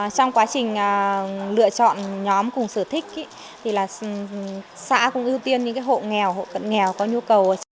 trong quá trình lựa chọn nhóm cùng sở thích thì xã cũng ưu tiên những hộ nghèo hộ cận nghèo có nhu cầu